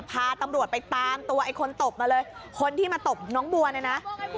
พาตำรวจไปตามตัวไอ้คนตบมาเลยคนที่มาตบน้องบัวเนี่ยนะ